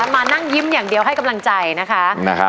มานั่งยิ้มอย่างเดียวให้กำลังใจนะคะ